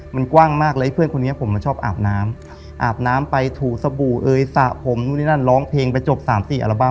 มันกว้างมากเลยเพื่อนคนนี้ผมมันชอบอาบน้ำอาบน้ำไปถูสบู่เอยสระผมนู่นนี่นั่นร้องเพลงไปจบสามสี่อัลบั้